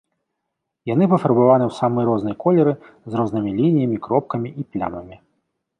Яны пафарбаваны ў самыя розныя колеры з рознымі лініямі, кропкамі і плямамі.